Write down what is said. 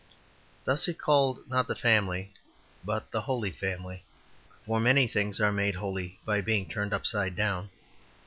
This it called, not the family, but the Holy Family, for many things are made holy by being turned upside down.